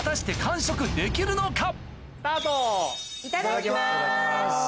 ・いただきます。